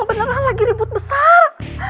beneran lagi ribut besar